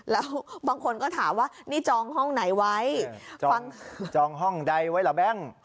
แล้วบางคนก็ถามว่านี่จองห้องไหนไว้ฟังจองห้องใดไว้ล่ะแบงค์